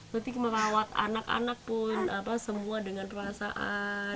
berarti merawat anak anak pun semua dengan perasaan